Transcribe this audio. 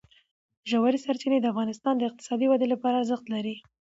ژورې سرچینې د افغانستان د اقتصادي ودې لپاره ارزښت لري.